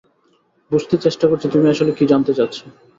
বুঝতে চেষ্টা করছি তুমি আসলে কী জানতে চাচ্ছ।